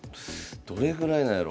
どれぐらいなんやろ？